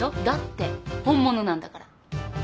だって本物なんだから。